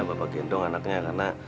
bapak gendong anaknya